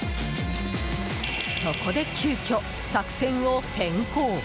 そこで急きょ、作戦を変更。